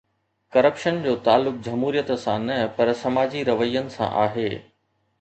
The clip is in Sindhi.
ڪرپشن جو تعلق جمهوريت سان نه پر سماجي روين سان آهي.